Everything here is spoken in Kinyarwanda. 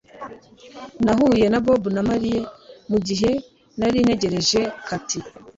Nahuye na Bob na Mary mugihe nari ntegereje Kate